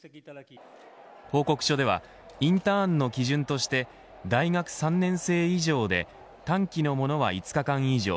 報告書ではインターンの基準として大学３年生以上で短期のものは５日間以上